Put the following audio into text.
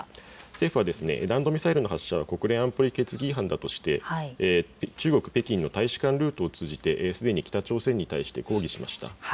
政府は弾道ミサイルの発射は国連安保理決議違反だとして中国・北京の大使館ルートを通じてすでに北朝鮮に対して抗議しました。